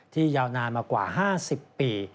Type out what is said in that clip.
ยาวนานมากว่า๕๐ปี